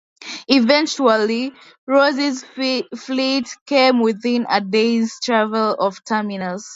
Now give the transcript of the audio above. Eventually, Riose's fleet came within a day's travel of Terminus.